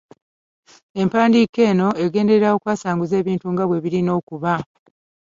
Empandiika eno egenderera okwasanguza ebintu nga bwe birina okuba.